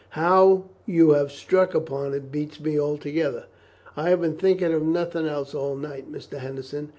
How you have struck upon it beats me altogether." "I have been thinking of nothing else all the night, Mr. Henderson.